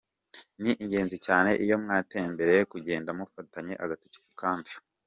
Ni ingenzi cyane iyo mwatembereye kugenda mufatanye agatoki ku kandi.